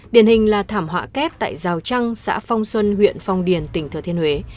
điển hình là thảm họa kép tại rào trăng xã phong xuân huyện phong điền tỉnh thừa thiên huế